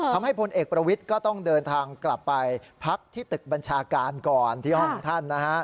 พลเอกประวิทย์ก็ต้องเดินทางกลับไปพักที่ตึกบัญชาการก่อนที่ห้องท่านนะฮะ